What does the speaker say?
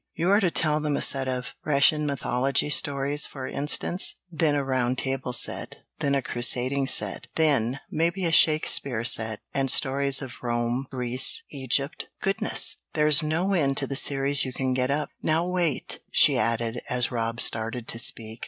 You are to tell them a set of Grecian Mythology stories, for instance; then a Round Table set, then a Crusading set, then, maybe a Shakespeare set, and stories of Rome, Greece, Egypt goodness! There's no end to the series you can get up! Now wait!" she added, as Rob started to speak.